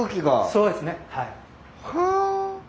そうですねはい。